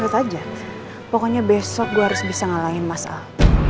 gak usah aja pokoknya besok gue harus bisa ngalahin mas al